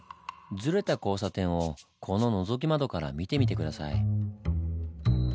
ズレた交差点をこののぞき窓から見てみて下さい。